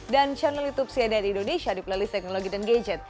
dan channel youtube cnn indonesia di playlist teknologi dan gadget